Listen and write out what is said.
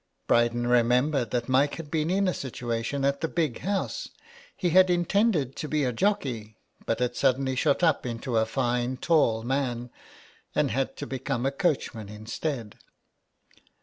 Bryden remembered that Mike had been in a situa tion at the Big House ; he had intended to be a jockey, but had suddenly shot up into a fine tall man, and had had to become a coachman instead.